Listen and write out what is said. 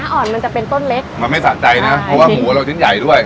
อ่อนมันจะเป็นต้นเล็กมันไม่สะใจนะเพราะว่าหมูเราชิ้นใหญ่ด้วย